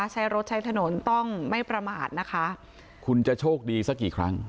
ใช้รถใช้ถนนต้องไม่ประมาทนะคะคุณจะโชคดีสักกี่ครั้ง